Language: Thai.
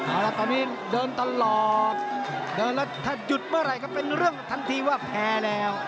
เอาละตอนนี้เดินตลอดเดินแล้วถ้าหยุดเมื่อไหร่ก็เป็นเรื่องทันทีว่าแพ้แล้ว